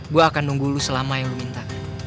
gue akan nunggu lo selama yang lo minta